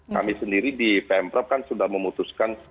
kami sendiri di pemprov kan sudah memutuskan